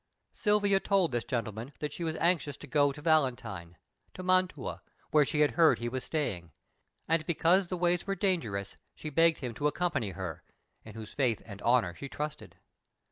Silvia told this gentleman that she was anxious to go to Valentine to Mantua where she had heard he was staying, and because the ways were dangerous she begged him to accompany her, in whose faith and honour she trusted.